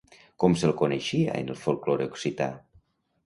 Com se'l coneixia en el folklore occità?